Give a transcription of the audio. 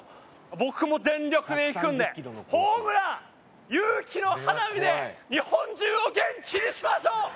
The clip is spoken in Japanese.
僕も全力でいくんでホームラン勇気の花火で日本中を元気にしましょう！